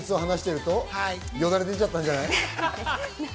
よだれ出ちゃったんじゃない？